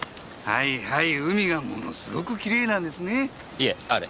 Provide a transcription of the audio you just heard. いえあれ。